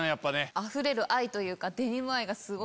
あふれる愛というか。